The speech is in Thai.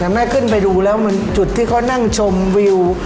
แต่แม่ขึ้นไปดูแล้วมันจุดที่เขานั่งชมวิว